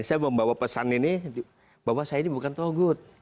saya membawa pesan ini bahwa saya ini bukan togut